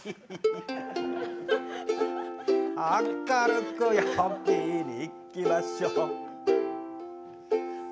明るく、陽気に、いきましょう。